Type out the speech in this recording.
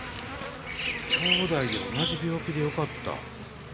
兄弟で同じ病気でよかった。